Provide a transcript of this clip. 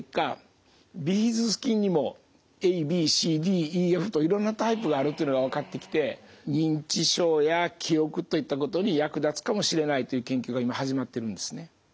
ビフィズス菌にもＡＢＣＤＥＦといろんなタイプがあるというのが分かってきて認知症や記憶といったことに役立つかもしれないという研究が今始まっているんですね。